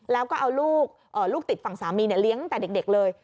แล้วก็เอาลูกติดฝั่งสามีเลี้ยงตั้งแต่เด็กเลย